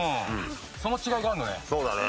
その違いがあるのね。